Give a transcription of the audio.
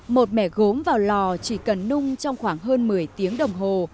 một mẻ gốm vào lò chỉ cần nung trong khoảng hơn một mươi tiếng đồng hồ